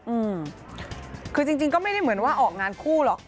อืมคือจริงจริงก็ไม่ได้เหมือนว่าออกงานคู่หรอก